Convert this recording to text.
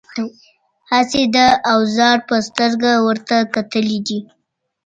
هسې د اوزار په سترګه ورته کتلي دي.